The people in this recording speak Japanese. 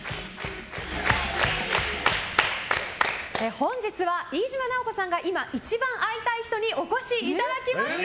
本日は飯島直子さんが今、一番会いたい人にお越しいただきました。